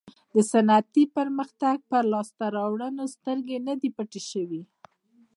د صنعتي پرمختګ پر لاسته راوړنو سترګې نه دي پټې شوې.